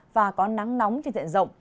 và có nắng nóng trên diện rộng